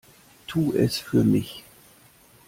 Tu es für mich!